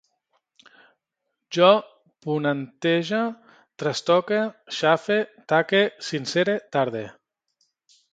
Jo ponentege, trastoque, xafe, taque, sincere, tarde